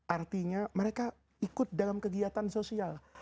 artinya mereka ikut dalam kegiatan sosial